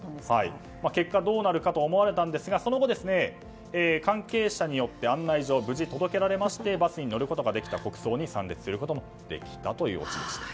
結果、どうなるかと思われたんですがその後、関係者によって案内状は無事、届けられまして無事バスに乗ることもできて国葬に参列することもできたということでした。